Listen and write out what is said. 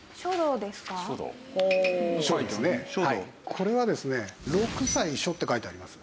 これはですね六歳の書って書いてあります。